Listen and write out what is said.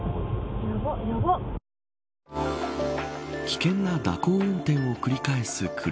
危険な蛇行運転を繰り返す車。